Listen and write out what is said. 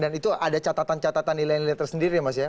dan itu ada catatan catatan nilai nilai tersendiri ya mas ya